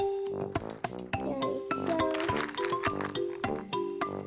よいしょ。